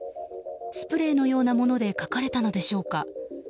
スプレーのようなもので書かれたのでしょうか。